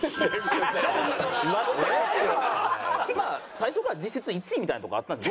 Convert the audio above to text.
最初から実質１位みたいなとこあったんです。